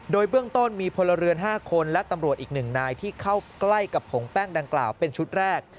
โดยเบื้องต้นมีพลเรือน๕คนและตำรวจอีก๑นายที่เข้าใกล้กับผงแป้งดังกล่าวเป็นชุดแรก